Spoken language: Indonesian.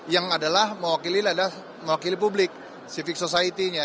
yang adalah mewakili publik civic society nya